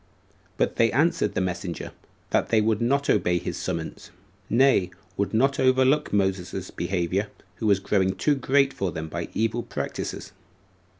But they answered the messenger, that they would not obey his summons; nay, would not overlook Moses's behavior, who was growing too great for them by evil practices.